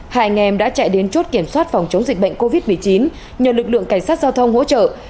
hai anh em đã chạy đến chốt kiểm soát phòng chống dịch bệnh covid một mươi chín nhờ lực lượng cảnh sát giao thông hỗ trợ